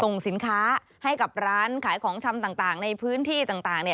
ส่งสินค้าให้กับร้านขายของชำต่างในพื้นที่ต่าง